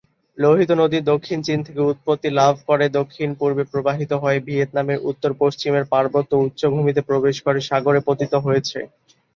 লোহিত নদী দক্ষিণ চীন থেকে উৎপত্তি লাভ করে দক্ষিণ-পূর্বে প্রবাহিত হয়ে ভিয়েতনামের উত্তর-পশ্চিমের পার্বত্য উচ্চভূমিতে প্রবেশ করে সাগরে পতিত হয়েছে।